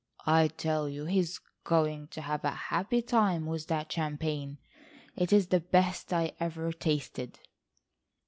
"I tell you he is going to have a happy time with that champagne. It is the best I ever tasted."